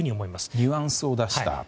ニュアンスを出したと。